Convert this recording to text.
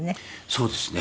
そうですね。